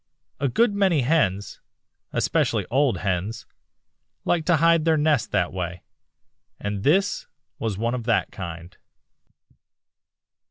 A good many hens, especially old hens, like to hide their nests that way, and this was one of that kind.